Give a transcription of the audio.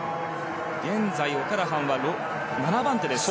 現在、オキャラハンは７番手です。